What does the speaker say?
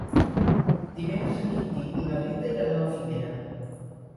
Dimecres en Quintí i na Rita iran a la Figuera.